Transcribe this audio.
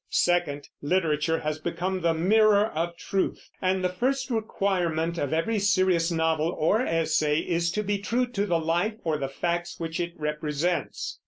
Second, literature has become the mirror of truth; and the first requirement of every serious novel or essay is to be true to the life or the facts which it represents.